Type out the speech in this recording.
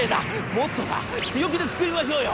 『もっとさ強気で作りましょうよ！